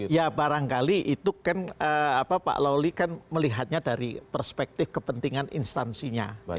ya barangkali itu kan pak lawli kan melihatnya dari perspektif kepentingan instansinya